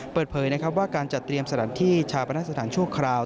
เปิดเผยนะครับว่าการจัดเตรียมสถานที่ชาปนสถานชั่วคราว